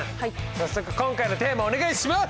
早速今回のテーマお願いします！